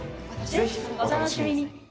ぜひ、お楽しみに。